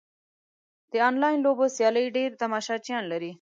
د انلاین لوبو سیالۍ ډېر تماشچیان لري.